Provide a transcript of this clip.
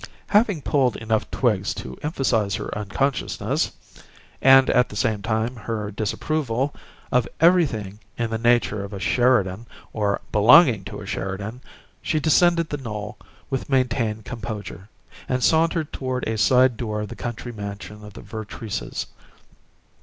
Having pulled enough twigs to emphasize her unconsciousness and at the same time her disapproval of everything in the nature of a Sheridan or belonging to a Sheridan, she descended the knoll with maintained composure, and sauntered toward a side door of the country mansion of the Vertreeses.